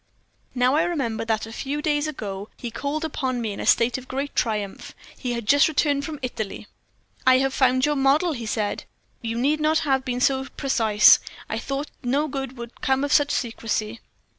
Now I remember that a few days ago he called upon me in a state of great triumph; he had just returned from Italy. "'I have found your model,' he said. 'You need not have been so precise. I thought no good would come of such secrecy.'